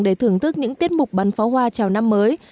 để thưởng thức những tiết mục bắn pháo hoa chào năm mới